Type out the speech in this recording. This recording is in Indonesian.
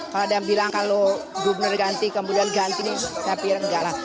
kalau ada yang bilang kalau gubernur ganti kemudian ganti saya pikir enggak lah